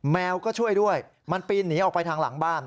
แมวก็ช่วยด้วยมันปีนหนีออกไปทางหลังบ้าน